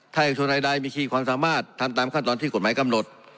ถ้าเอกชนใดมีขีดความสามารถทำตามขั้นตอนที่กฎหมายกำหนด